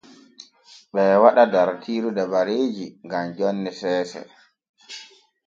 Ɓee waɗa dartiiru dabareeji gam jonne seese.